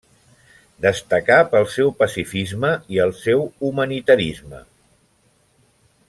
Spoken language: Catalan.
Destacà pel seu pacifisme i el seu humanitarisme.